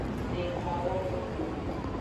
Dekawowo.